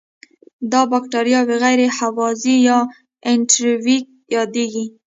دا بکټریاوې غیر هوازی یا انئیروبیک یادیږي.